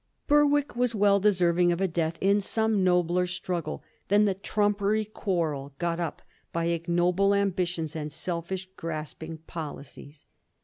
Berwick was well deserving of a death in some nobler struggle than the trumpery quarrel got up by ignoble ambitions and selfish, grasping policies.